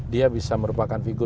dia bisa merupakan figur